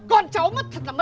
con cháu mất thật là mất lên